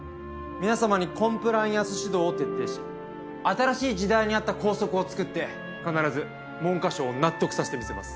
皆様にコンプライアンス指導を徹底し新しい時代に合った校則を作って必ず文科省を納得させてみせます。